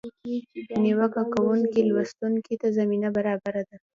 نیوکه کوونکي لوستونکي ته زمینه برابره ده.